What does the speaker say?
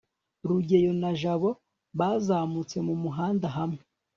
rugeyo na jabo bazamutse mu muhanda hamwe